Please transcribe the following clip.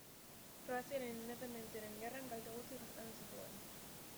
Kroaziaren independentziaren gerran kalte gutxi jasan zituen.